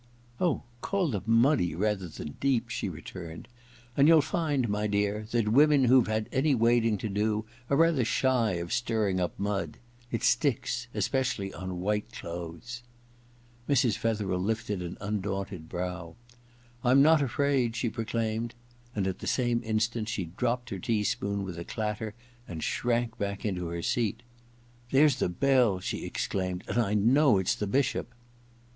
*Oh, call them muddy rather than deep,' she returned ;* and you'll find, my dear, that women who've had any wading to do are rather shy of stirring up mud. It sticks — especially on white clothes.' Mrs. Fetherel lifted an undaunted brow. * I'm not afraid,' she proclaimed ; and at the 86 EXPIATION i same instant she dropped her tea spoon with a clatter and shrank back into her seat. ^ There's the bell/ she exclaimed, * and I know it's the Bishop!'